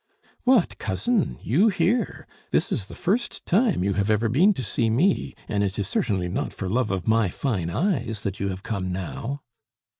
"What, Cousin! you here? This is the first time you have ever been to see me, and it is certainly not for love of my fine eyes that you have come now."